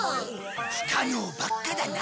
不可能ばっかだな。